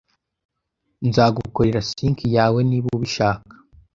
Nzagukorera sink yawe niba ubishaka.